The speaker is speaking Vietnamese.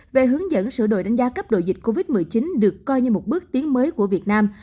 về hướng dẫn sửa đổi đánh giá cấp độ dịch covid một mươi chín được coi như một bước tiến mới của việt nam